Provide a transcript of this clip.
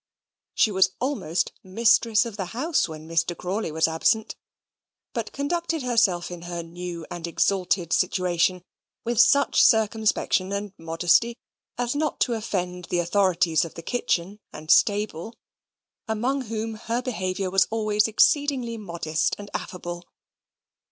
She was almost mistress of the house when Mr. Crawley was absent, but conducted herself in her new and exalted situation with such circumspection and modesty as not to offend the authorities of the kitchen and stable, among whom her behaviour was always exceedingly modest and affable.